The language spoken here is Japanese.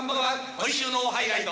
今週のハイライト。